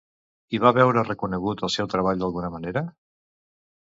I va veure reconegut el seu treball d'alguna manera?